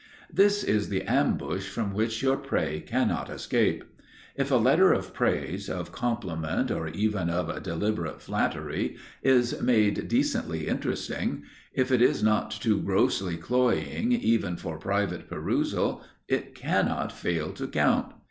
This is the ambush from which your prey cannot escape. If a letter of praise, of compliment, or even of deliberate flattery, is made decently interesting, if it is not too grossly cloying even for private perusal, it cannot fail to count.